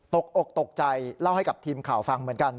อกตกใจเล่าให้กับทีมข่าวฟังเหมือนกัน